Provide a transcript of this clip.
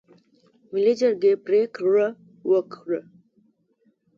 ملي جرګې پرېکړه وکړه.